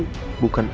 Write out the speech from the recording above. itu udah potenester